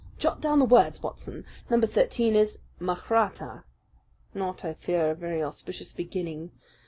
Jot down the words, Watson! Number thirteen is 'Mahratta.' Not, I fear, a very auspicious beginning.